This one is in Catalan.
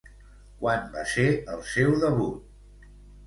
Quan va ser el seu debut?